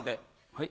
はい？